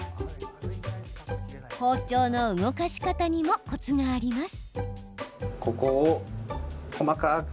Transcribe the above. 包丁の動かし方にもコツがあります。